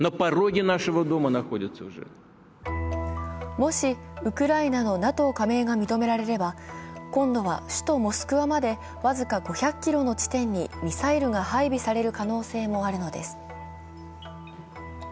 もし、ウクライナのＮＡＴＯ加盟が認められれば今度は首都モスクワまで僅か５００ｋｍの地点にミサイルが配備される可能性もあるのです。